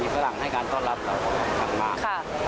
มีฝรั่งให้การต้อนรับเราขังมาก